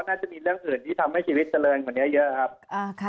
น่าจะมีเรื่องอื่นที่ทำให้ชีวิตเจริญกว่านี้เยอะครับ